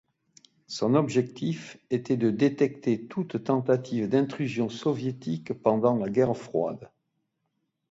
Son objectif était de détecter toute tentative d'intrusion soviétique pendant la guerre froide.